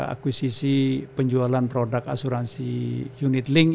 akuisisi penjualan produk asuransi unit link